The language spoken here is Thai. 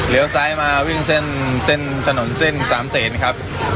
เลี้ยวซ้ายมาวิ่งเส้นถนนเส้นสามเสนครับ